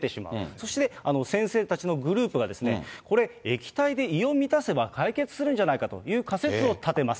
そして先生たちのグループが、これ、液体で胃を満たせば解決するんじゃないかという仮説を立てます。